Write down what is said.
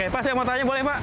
padatnya boleh pak